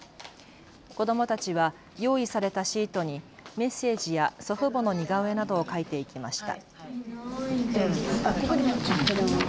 子どもたちは用意されたシートにメッセージや祖父母の似顔絵などを描いていきました。